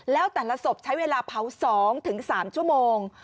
แล้วแต่ละศพใช้เวลาเผา๒๓ชั่วโมง